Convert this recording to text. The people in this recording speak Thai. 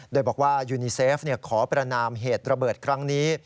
โดยบอกว่ายูนีเซฟขอประนามเหตุระเบิดครั้งนี้